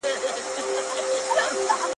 • بلا بيده ښه وي، نه ويښه.